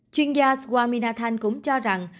chuyên gia swaminathan cũng cho rằng